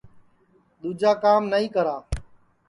دؔوجا کام نائی کرا